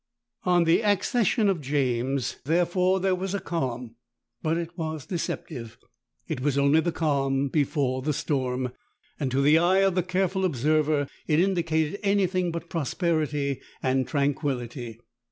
On the accession of James, therefore, there was a calm: but it was deceptive: it was only the calm before the storm; and to the eye of the careful observer, it indicated any thing but prosperity and tranquillity.